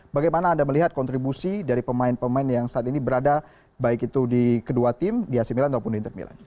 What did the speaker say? bagaimana anda melihat kontribusi dari pemain pemain yang saat ini berada baik itu di kedua tim di ac milan ataupun di inter milan